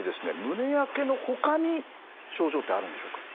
胸やけのほかに症状ってあるんでしょうか？